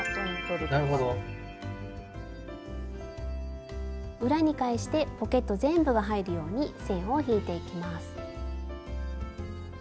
スタジオ裏に返してポケット全部が入るように線を引いていきます。